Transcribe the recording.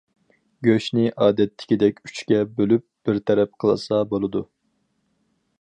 گۆشىنى ئادەتتىكىدەك ئۈچكە بۆلۈپ بىر تەرەپ قىلسا بولىدۇ.